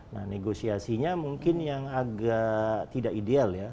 nah negosiasinya mungkin yang agak tidak ideal ya